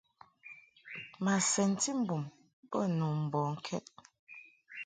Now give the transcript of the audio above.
Ma sɛnti mbum bə nu mbɔŋkɛd.